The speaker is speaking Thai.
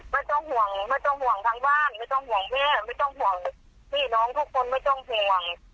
ไม่ต้องห่วงไม่ต้องห่วงทางบ้านไม่ต้องห่วงแม่ไม่ต้องห่วงพี่น้องทุกคนไม่ต้องห่วง